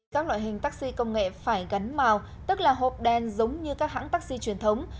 các loại hình taxi công nghệ phải gắn màu tức là hộp đen giống như các hãng taxi truyền thống